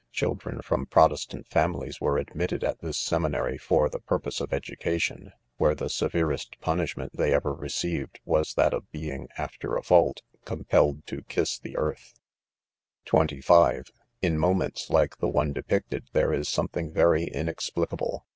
Children from Protestant families were admitted at this seminary for the purpose of education ; where the severest punishment they ever received was that of being, after a fault, compelled to kiss the earth* (25) In moments like the one depicted, there is some thing very inexplicable.